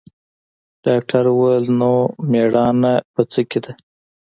ډاکتر وويل نو مېړانه په څه کښې ده.